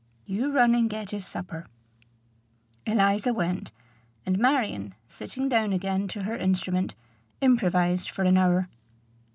"You run and get his supper." Eliza went; and Marion, sitting down again to her instrument, improvised for an hour.